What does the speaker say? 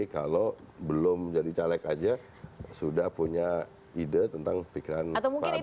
kalau belum jadi caleg aja sudah punya ide tentang pikiran pak habib friks sihab